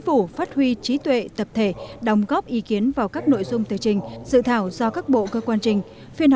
phiên họp này sẽ đạt được tất cả các nội dung tự trình dự thảo do các bộ cơ quan trình